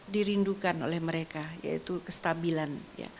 dirindukan oleh mereka yaitu kestabilan